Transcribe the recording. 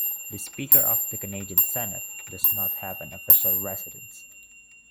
The Speaker of the Canadian Senate does not have an official residence.